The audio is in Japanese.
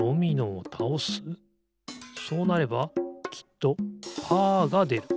そうなればきっとパーがでる。